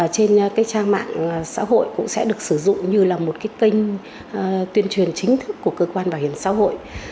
trên cái trang mạng xã hội cũng sẽ được sử dụng như là một cái kênh tuyên truyền chính thức của cơ quan bảo hiểm xã hội